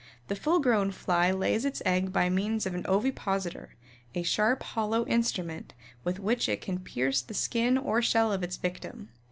The full grown Fly lays its egg by means of an ovipositor, a sharp, hollow instrument with which it can pierce the skin or shell of its victim.